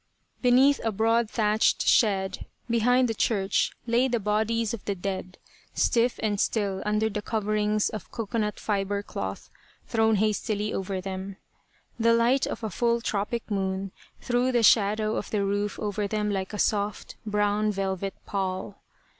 Beneath a broad thatched shed behind the church lay the bodies of the dead, stiff and still under the coverings of cocoanut fibre cloth thrown hastily over them. The light of a full tropic moon threw the shadow of the roof over them like a soft, brown velvet pall.